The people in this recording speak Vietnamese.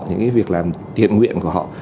những cái việc làm thiện nguyện của họ